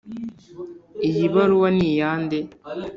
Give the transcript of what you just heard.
iyi baruwa niyande?